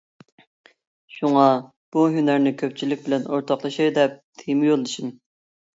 شۇڭا بۇ ھۈنەرنى كۆپچىلىك بىلەن ئورتاقلىشاي دەپ تېما يوللىشىم.